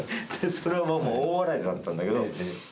それはもう大笑いだったんだけど。